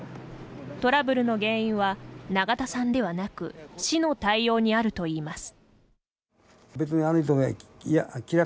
トラブルの原因は永田さんではなく市の対応にあるといいます。